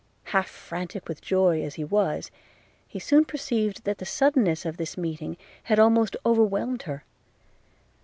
Half frantic with joy as he was, he soon perceived that the suddenness of this meeting had almost overwhelmed her.